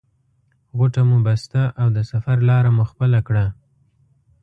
غوټه مو بسته او د سفر لاره مو خپله کړه.